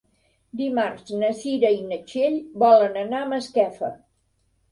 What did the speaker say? Dimarts na Cira i na Txell volen anar a Masquefa.